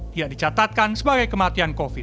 tidak dicatatkan sebagai kematian covid